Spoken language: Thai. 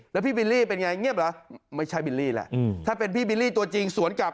แล้วพี่บิลลี่เป็นไงเงียบเหรอไม่ใช่บิลลี่แหละถ้าเป็นพี่บิลลี่ตัวจริงสวนกลับ